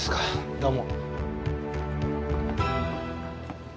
どうも。